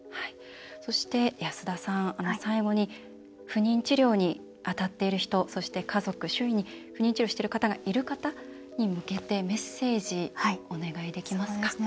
そして安田さん最後に不妊治療にあたっている人そして家族、周囲に不妊治療をしている方がいる方に対してメッセージお願いできますか。